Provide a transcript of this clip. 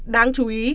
đáng chú ý